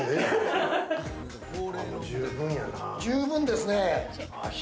十分ですね。